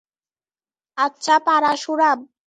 আচ্ছা, পারাসুরাম।